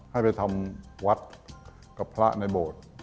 ให้ไปทำวัดกับพระในโบสถ์